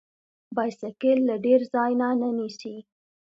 بایسکل له ډیر ځای نه نیسي.